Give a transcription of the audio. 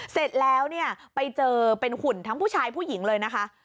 เสร็จแล้วเนี่ยไปเจอเป็นหุ่นทั้งผู้ชายผู้หญิงเลยนะคะ